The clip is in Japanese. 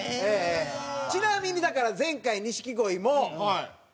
ちなみにだから前回錦鯉もこれ。